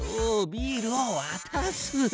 ビールをわたす。